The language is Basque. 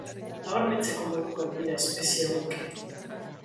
Nabarmentzeko modukoak dira espezie hauek ere.